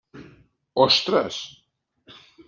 Ostres!